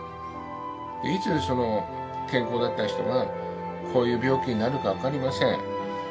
いつ健康だった人がこういう病気になるかわかりません。